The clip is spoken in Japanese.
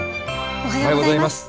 おはようございます。